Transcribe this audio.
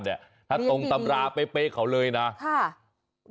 ครับเรียบทีแล้วถ้าตรงตำราไปเพี้ยเขาเลยนะครับ